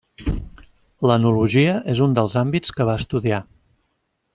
L'enologia és un dels àmbits que va estudiar.